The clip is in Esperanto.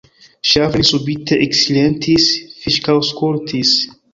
Ŝavrin subite eksilentis, fiksaŭskultis.